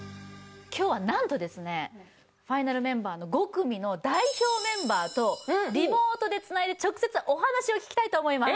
今日はなんとですねファイナルメンバーの５組の代表メンバーとリモートでつないで直接お話を聞きたいと思います